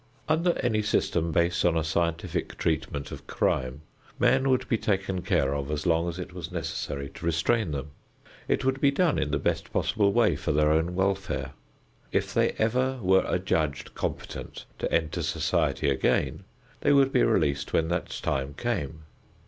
Under any system based on a scientific treatment of crime, men would be taken care of as long as it was necessary to restrain them. It would be done in the best possible way for their own welfare. If they ever were adjudged competent to enter society again, they would be released when that time came.